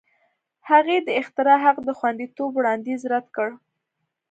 هغې د اختراع حق د خوندیتوب وړاندیز رد کړ.